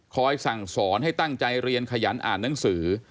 สั่งสอนให้ตั้งใจเรียนขยันอ่านหนังสือ